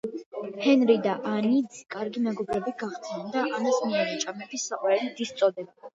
ჰენრი და ანა კარგი მეგობრები გახდნენ და ანას მიენიჭა მეფის საყვარელი დის წოდება.